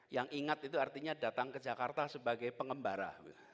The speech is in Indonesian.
yang ingat itu artinya datang ke jakarta sebagai pengembara